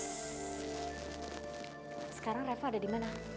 sekarang revo ada di mana